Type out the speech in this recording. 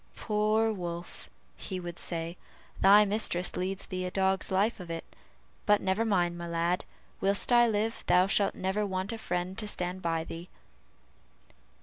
"Poor Wolf," he would say, "thy mistress leads thee a dog's life of it; but never mind, my lad, whilst I live thou shalt never want a friend to stand by thee!"